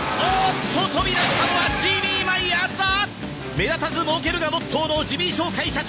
「目立たずもうける」がモットーのジミー商会社長！